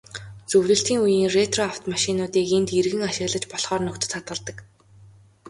Зөвлөлтийн үеийн ретро автомашинуудыг энд эргэн ашиглаж болохоор нөхцөлд хадгалдаг.